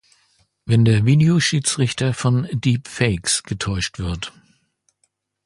Wenn der Videoschiedsrichter von Deepfakes getäuscht wird.